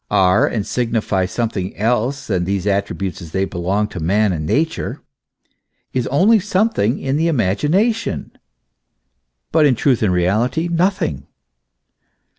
are and signify something else than these attri butes as they belong to man and Nature, is only something in the imagination, but in truth and reality nothing.